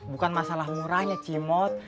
bukan masalah murahnya cimot